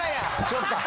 そうか。